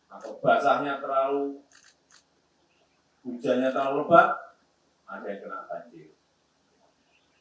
atau basahnya terlalu hujannya terlalu lebat ada yang kena banjir